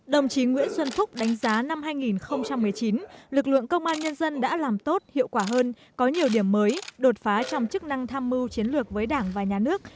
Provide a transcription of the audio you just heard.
đồng chí nguyễn xuân phúc đánh giá năm hai nghìn một mươi chín lực lượng công an nhân dân đã làm tốt hiệu quả hơn có nhiều điểm mới đột phá trong chức năng tham mưu chiến lược với đảng và nhà nước